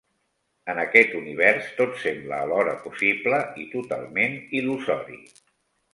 En aquest univers, tot sembla alhora possible i totalment il·lusori.